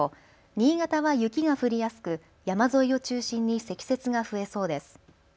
新潟は雪が降りやすく山沿いを中心に積雪が増えそうです。